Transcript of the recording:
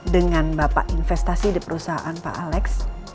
dengan bapak investasi di perusahaan pak alex